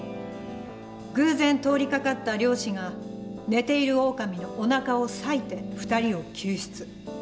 偶然通りかかった猟師が寝ているオオカミのおなかを裂いて２人を救出。